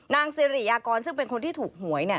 นางสิริยากรซึ่งเป็นคนที่ถูกหวย